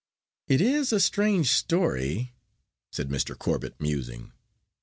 "It is a strange story," said Mr. Corbet, musing.